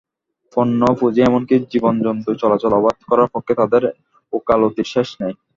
পণ্য, পুঁজি এমনকি জীবজন্তুর চলাচল অবাধ করার পক্ষে তাদের ওকালতির শেষ নেই।